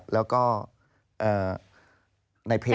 แล้วก็ในเพจ